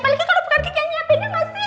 apalagi kalo bukan kiki yang nyapinnya masih